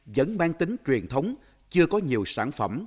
vẫn mang tính truyền thống chưa có nhiều sản phẩm